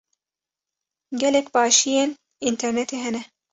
Gelek başiyên înternetê hene.